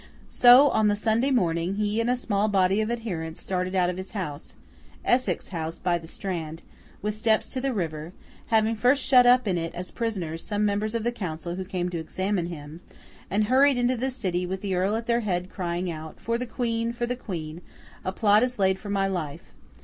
So, on the Sunday morning, he and a small body of adherents started out of his house—Essex House by the Strand, with steps to the river—having first shut up in it, as prisoners, some members of the council who came to examine him—and hurried into the City with the Earl at their head crying out 'For the Queen! For the Queen! A plot is laid for my life!